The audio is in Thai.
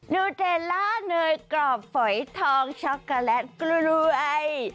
ูเดลล่าเนยกรอบฝอยทองช็อกโกแลตกล้วย